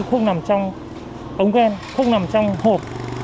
không nằm trong ống ghen không nằm trong hộp